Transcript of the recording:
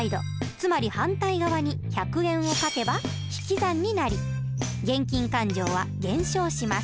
つまり反対側に１００円を書けば引き算になり現金勘定は減少します。